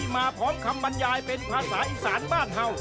มาพร้อมคำบรรยายเป็นภาษาอีสานบ้านเห่า